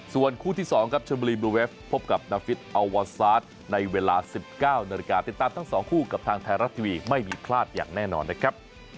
ส่วนคู่ที่๒ครับชนบุรีบลูเวฟพบกับนาฟิศอัลวาซาสในเวลา๑๙นาฬิกาติดตามทั้ง๒คู่กับทางไทยรัฐทีวีไม่มีพลาดอย่างแน่นอนนะครับ